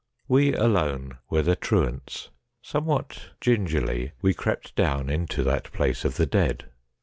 We alone were the truants. Somewhat gingerly we crept down into that place of the dead.